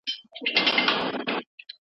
افغان ښوونکي خپلواکي سیاسي پریکړي نه سي کولای.